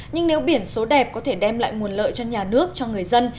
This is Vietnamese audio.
nhưng nếu biển số đẹp có thể đem lại nguồn lợi cho nhà nước cho người dân